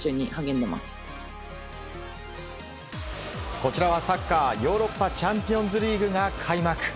こちらはサッカーヨーロッパチャンピオンズリーグが開幕。